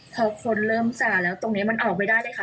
พอคนเริ่มสาแล้วตรงนี้มันออกไม่ได้เลยค่ะ